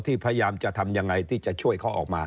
พยายามจะทำยังไงที่จะช่วยเขาออกมา